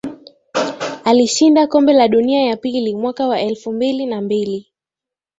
Alishinda Kombe la Dunia ya pili mwaka wa elfu mbili na mbili